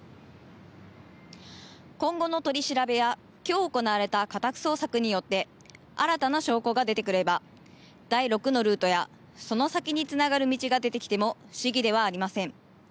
今後の取り調べや今日、行われた家宅捜索によって新たな証拠が出てくれば第６のルートやその先につながる道が出てきても不思議ではありません。